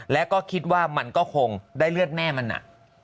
แล้วก็คิดว่ามันก็คงได้เลือดแม่มัน